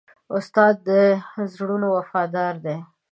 استاد د زړونو وفادار دی.